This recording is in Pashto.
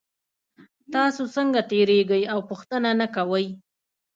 تاسو څنګه تیریږئ او پوښتنه نه کوئ